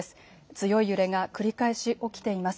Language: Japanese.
強い揺れが繰り返し起きています。